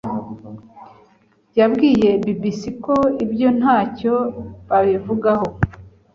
yabwiye BBC ko ibyo ntacyo babivugaho